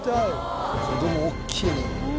子供おっきいね。